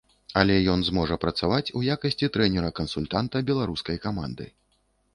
Але ён зможа працаваць у якасці трэнера-кансультанта беларускай каманды.